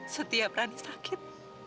setiap rani sakit